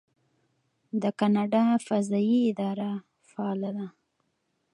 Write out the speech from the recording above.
د کاناډا فضایی اداره فعاله ده.